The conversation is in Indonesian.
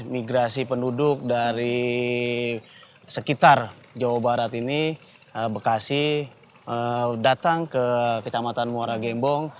migrasi penduduk dari sekitar jawa barat ini bekasi datang ke kecamatan muara gembong